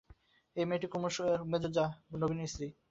এই মেয়েটি কুমুর মেজো জা, নবীনের স্ত্রী।